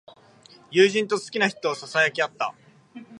友人と好きな人をささやき合った。